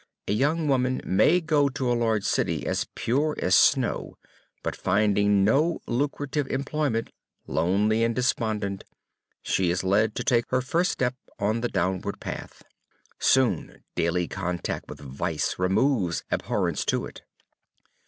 A young woman may go to a large city as pure as snow, but finding no lucrative employment, lonely and despondent, she is led to take her first step on the downward path. Soon daily contact with vice removes abhorrence to it.